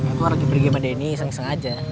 edward lagi pergi sama denny seng seng aja